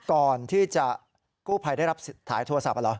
ก่อนที่จะกู้ภัยได้รับถ่ายโทรศัพท์เหรอ